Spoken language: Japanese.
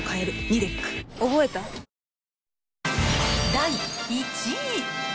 第１位。